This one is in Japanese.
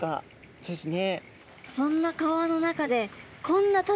そうですね。